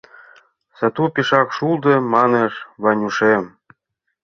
«Сату пешак шулдо», — манеш Ванюшем...